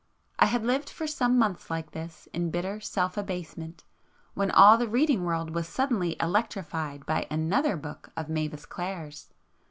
I had lived for some months like this in bitter self abasement, when all the reading world was suddenly electrified by another book of Mavis Clare's.